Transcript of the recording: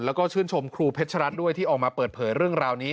แล้วก็ชื่นชมครูเพชรรัฐด้วยที่ออกมาเปิดเผยเรื่องราวนี้